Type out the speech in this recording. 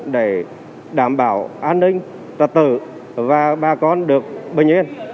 để đảm bảo an ninh trật tự và bà con được bình yên